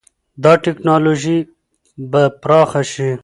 دا ټکنالوژي به پراخه شي.